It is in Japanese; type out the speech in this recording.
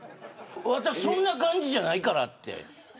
そんな感じやないからって。